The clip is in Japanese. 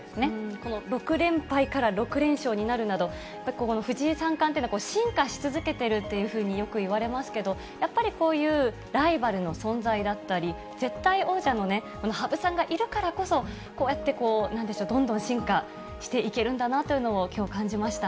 この６連敗から６連勝になるなど、やっぱこの藤井三冠というのは進化し続けてるというふうによく言われますけど、やっぱりこういうライバルの存在だったり、絶対王者の羽生さんがいるからこそ、こうやって、なんでしょう、どんどん進化していけるんだなというのを、きょう、感じました。